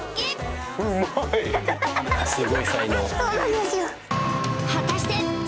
そうなんですよ